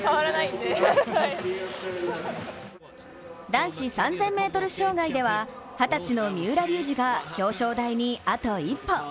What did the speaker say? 男子３０００ｍ障害では二十歳の三浦龍司が表彰台にあと一歩。